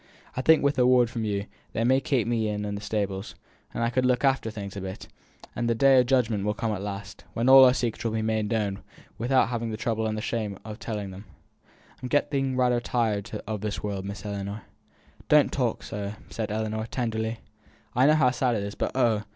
I think, wi' a word from you, they'd maybe keep me on i' the stables, and I could look after things a bit; and the Day o' Judgment will come at last, when all our secrets will be made known wi'out our having the trouble and the shame o' telling 'em. I'm getting rayther tired o' this world, Miss Ellinor." "Don't talk so," said Ellinor, tenderly. "I know how sad it is, but, oh!